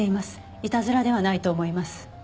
いたずらではないと思います。